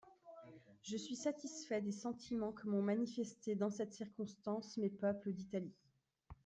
»Je suis satisfait des sentimens que m'ont manifestés dans cette circonstance mes peuples d'Italie.